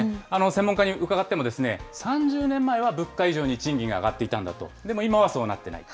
専門家に伺っても、３０年前は物価以上に賃金が上がっていたんだと、でも今はそうなってない。